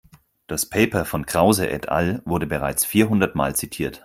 Das Paper von Krause et al. wurde bereits vierhundertmal zitiert.